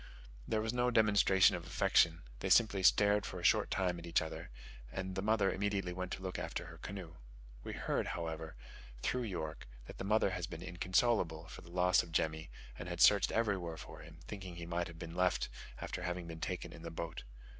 There was no demonstration of affection; they simply stared for a short time at each other; and the mother immediately went to look after her canoe. We heard, however, through York that the mother has been inconsolable for the loss of Jemmy and had searched everywhere for him, thinking that he might have been left after having been taken in the boat.